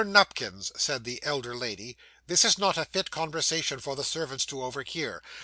Nupkins,' said the elder lady,' this is not a fit conversation for the servants to overhear.